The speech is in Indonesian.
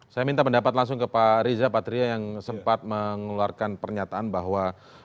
saya minta pendapat langsung ke pak riza patria yang sempat mengeluarkan pernyataan bahwa